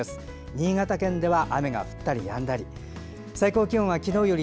新潟県では雨が降ったりやんだり。